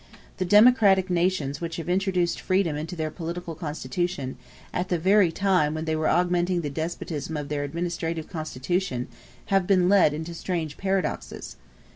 The democratic nations which have introduced freedom into their political constitution, at the very time when they were augmenting the despotism of their administrative constitution, have been led into strange paradoxes.